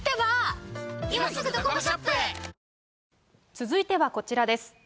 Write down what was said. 続いてはこちらです。